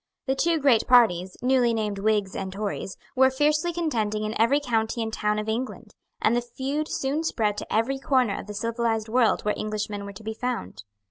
The two great parties, newly named Whigs and Tories, were fiercely contending in every county and town of England; and the feud soon spread to every corner of the civilised world where Englishmen were to be found.